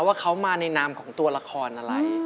ว่าเขามาในนามของตัวละครอะไร